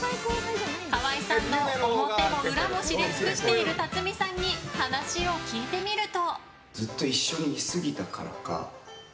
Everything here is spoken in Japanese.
河合さんの表も裏も知り尽くしている辰巳さんに話を聞いてみると。